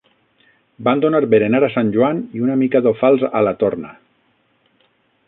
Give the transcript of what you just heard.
Van donar berenar a sant Joan i una mica d'ofals a la torna